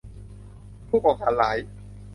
ผู้ก่อการร้าย